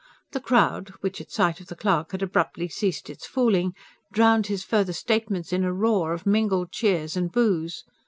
The crowd, which at sight of the clerk had abruptly ceased its fooling, drowned his further statements in a roar of mingled cheers and boos.